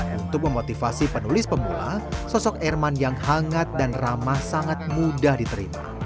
untuk memotivasi penulis pemula sosok erman yang hangat dan ramah sangat mudah diterima